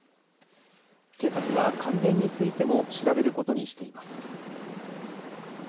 警察は関連についても調べることにしています。